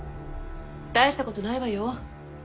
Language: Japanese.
大したことないわよ。